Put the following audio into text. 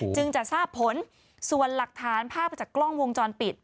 จึงจะทราบผลส่วนหลักฐานภาพจากกล้องวงจรปิด